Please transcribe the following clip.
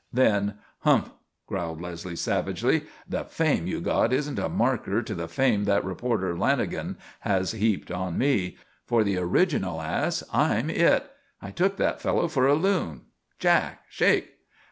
Then: "Humph," growled Leslie savagely. "The 'fame' you got isn't a marker to the fame that reporter Lanagan has heaped on me. For the original ass I'm it. I took that fellow for a loon. Jack, shake."